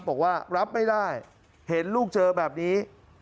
บอกว่ารับไม่ได้เห็นลูกเจอแบบนี้